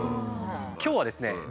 今日はですねええ！